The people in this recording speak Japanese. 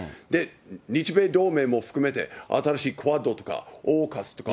日米同盟も含めて、新しいクアッドとかオーカスとか。